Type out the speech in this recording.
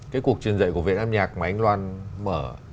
cái cuộc truyền dạy của viện âm nhạc mà anh loan mở